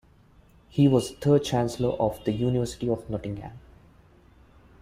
He was the third Chancellor of the University of Nottingham.